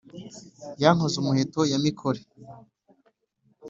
ya nkoz-umuheto ya mikore,